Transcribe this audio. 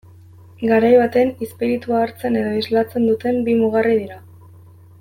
Garai baten izpiritua hartzen edo islatzen duten bi mugarri dira.